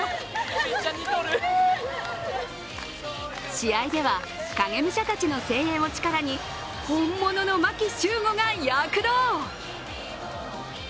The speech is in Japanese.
試合では、影武者たちの声援を力に本物の牧秀悟が躍動！